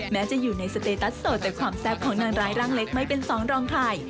แม้จะอยู่ในสเตตัสโสดแต่ความแซ่บของนางร้ายร่างเล็กไม่เป็นสองรองใคร